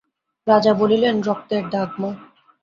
রাজা বলিলেন, রক্তের দাগ মা!